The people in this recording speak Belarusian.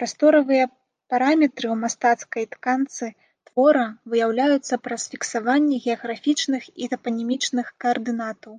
Прасторавыя параметры ў мастацкай тканцы твора выяўляюцца праз фіксаванне геаграфічных і тапанімічных каардынатаў.